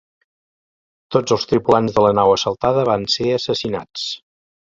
Tots els tripulants de la nau assaltada van ser assassinats.